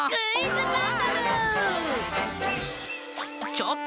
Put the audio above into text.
ちょっと。